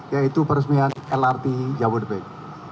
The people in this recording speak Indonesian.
yaitu peresmian lrt jabodetabek